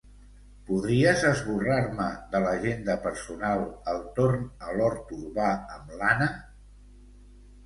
Podries esborrar-me de l'agenda personal el torn a l'hort urbà amb l'Anna?